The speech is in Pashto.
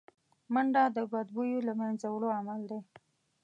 منډه د بدبویو له منځه وړو عمل دی